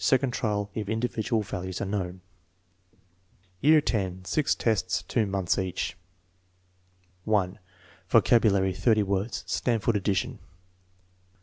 (Second trial if individual val ues are known.) Year X. (6 tests, 2 months each.) 1. Vocabulary, 30 words. (Stanford addition.)